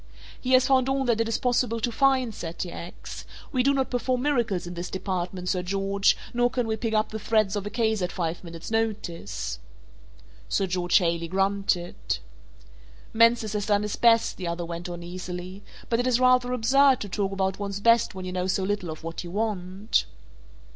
"He has found all that it is possible to find," said T. X. "We do not perform miracles in this department, Sir George, nor can we pick up the threads of a case at five minutes' notice." Sir George Haley grunted. "Mansus has done his best," the other went on easily, "but it is rather absurd to talk about one's best when you know so little of what you want."